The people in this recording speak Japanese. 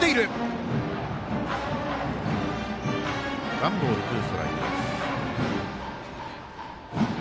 ワンボール、ツーストライク。